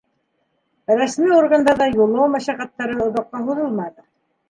Рәсми органдарҙа юллау мәшәҡәттәре оҙаҡҡа һуҙылманы.